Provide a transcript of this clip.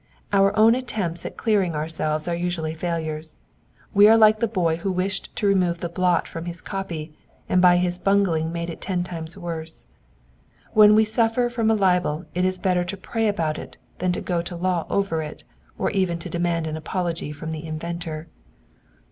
Our own attempts at clearing ourselves are usually failures ; we are like the boy who wished to remove the blot from his copy, and by his bungling made it ten times worse. When we suffer from a libel it is better to pray about it than go to law over it, or even to demand an apology from the inventor.